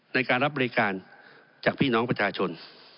ในการรับบริการจากพี่น้องประชาชน